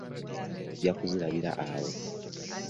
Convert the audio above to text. Ezange ojja kuzirabira awo.